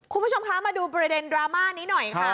คุณผู้ชมคะมาดูประเด็นดราม่านี้หน่อยค่ะ